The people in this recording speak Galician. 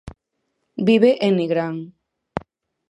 Vive en Nigrán.